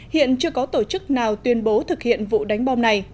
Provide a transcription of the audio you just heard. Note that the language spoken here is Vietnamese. hiện chưa có tổ chức nào tuyên bố thực hiện vụ đánh bom này